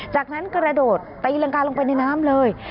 จากนั้นกระโดดตีรังกาลงไปในน้ำเลย